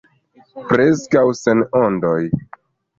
Preskaŭ sen ondoj.